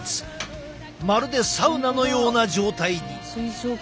まるでサウナのような状態に。